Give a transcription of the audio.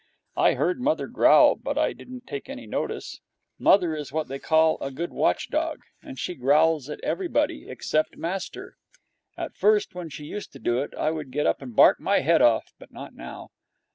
I heard mother growl, but I didn't take any notice. Mother is what they call a good watch dog, and she growls at everybody except master. At first, when she used to do it, I would get up and bark my head off, but not now.